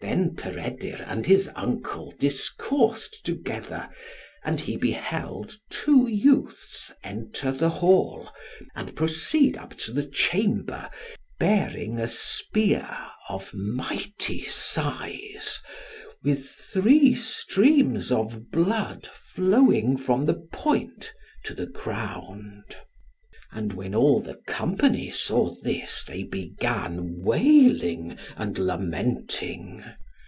Then Peredur and his uncle discoursed together, and he beheld two youths enter the hall, and proceed up to the chamber, bearing a spear of mighty size, with three streams of blood flowing from the point to the ground. And when all the company saw this, they began wailing and lamenting.